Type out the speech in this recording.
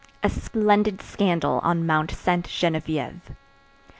a splendid scandal on Mount Sainte Geneviève.